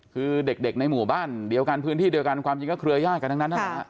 คือเด็กในหมู่บ้านเดียวกันพื้นที่เดียวกันความจริงก็เครือญาติกันทั้งนั้นนะฮะ